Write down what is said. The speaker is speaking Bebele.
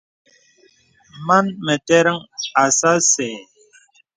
Mān mə tə̀rən asà asə́.